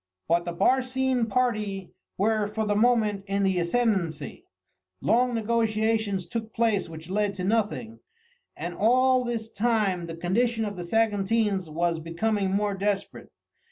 But the Barcine party were for the moment in the ascendancy; long negotiations took place which led to nothing, and all this time the condition of the Saguntines was becoming more desperate.